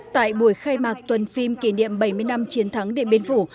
tại buổi khai mạc tuần phim kỷ niệm bảy mươi năm chiến thắng điện biên phủ